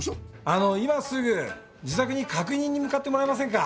あの今すぐ自宅に確認に向かってもらえませんか。